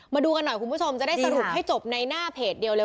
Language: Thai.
มาดูกันหน่อยคุณผู้ชมจะได้สรุปให้จบในหน้าเพจเดียวเลย